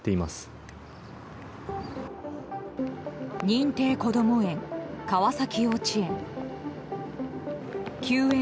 認定こども園、川崎幼稚園。